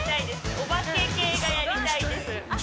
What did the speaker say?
お化け系がやりたいですあっ